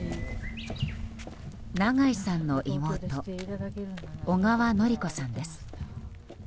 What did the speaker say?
長井さんの妹小川典子さんです。